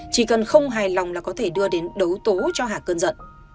chỉ cần không hài lòng là có thể đưa đến đấu tố cho hà cơn giận